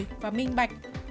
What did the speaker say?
và phát triển bệnh nhân